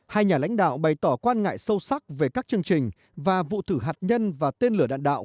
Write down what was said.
hai nhà lãnh đạo bày tỏ quan ngại sâu sắc về các chương trình và vụ thử hạt nhân và tên lửa đạn đạo